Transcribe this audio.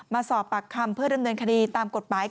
มาสอบปากคำเพื่อดำเนินคดีตามกฎหมาย